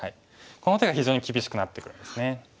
この手が非常に厳しくなってくるんですね。